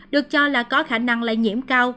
được cho là có khả năng lây nhiễm cao